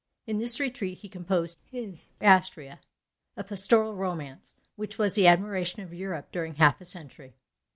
In this retreat he composed his Astrea; a pastoral romance, which was the admiration of Europe during half a century.